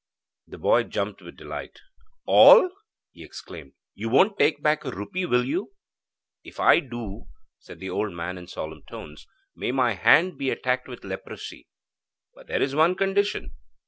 The boy jumped with delight. 'All?' he exclaimed; 'you won't take back a rupee, will you?' 'If I do,' said the old man in solemn tones, 'may my hand be attacked with leprosy. But there is one condition.